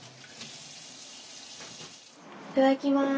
いただきます。